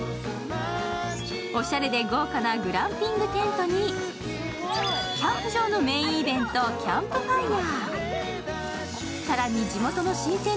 おしゃれで豪華なグランピングテントにキャンプ場のメインイベント、キャンプファイア。